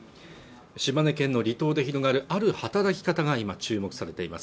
島根県の離島で広がるある働き方が今注目されています